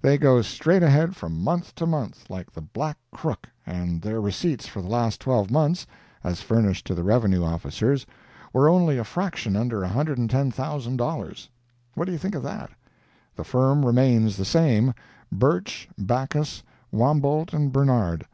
They go straight ahead from month to month, like the "Black Crook," and their receipts for the last twelve months, as furnished to the Revenue officers, were only a fraction under $110,000. What do you think of that? The firm remains the same—Birch, Backus, Wambold and Bernard.